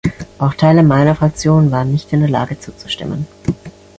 Auch Teile meiner Fraktion waren nicht in der Lage zuzustimmen.